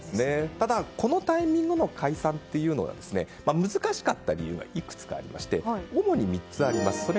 ただこのタイミングの解散というのは難しかった理由がいくつかありまして主に３つあります。